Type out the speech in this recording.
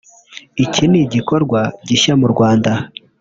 Iki ni igikorwa gishya mu Rwanda